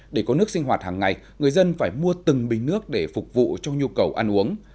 để có nước sinh hoạt hàng ngày người dân phải mua từng bình nước để phục vụ cho nhu cầu ăn uống